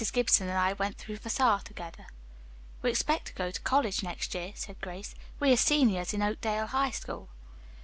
Gibson and I went through Vassar together." "We expect to go to college next year," said Grace. "We are seniors in Oakdale High School."